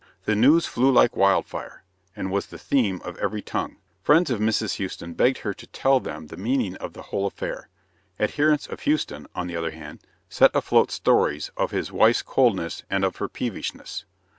The news flew like wildfire, and was the theme of every tongue. Friends of Mrs. Houston begged her to tell them the meaning of the whole affair. Adherents of Houston, on the other hand, set afloat stories of his wife's coldness and of her peevishness.